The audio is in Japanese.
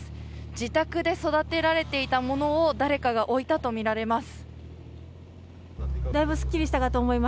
自宅で育てられていたものを誰かが置いたとみられます。